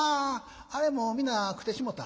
あれもう皆食てしもた」。